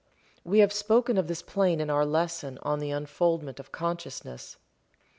We have spoken of this plane in our lesson on the Unfoldment of Consciousness.